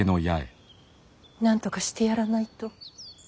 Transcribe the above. なんとかしてやらないと。